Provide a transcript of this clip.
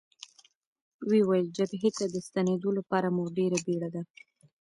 ویې ویل: جبهې ته د ستنېدو لپاره مو ډېره بېړه ده.